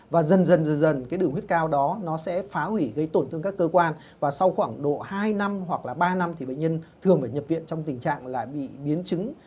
và dần dần cái đường huyết cao đó nó sẽ phá hủy gây tổn thương các cơ quan và sau khoảng độ hai năm hoặc là ba năm thì bệnh nhân thường phải nhập viện trong tình trạng là bị biến chứng